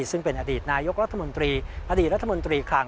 ซึ่งเป็นอดีตนายกรัฐมนตรีอดีตรัฐมนตรีคลัง